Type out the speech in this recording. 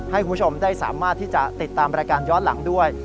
ให้คุณผู้ชมได้สามารถที่จะติดตามรายการย้อนหลังด้วย